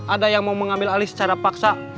ada yang mau mengambil alih secara paksa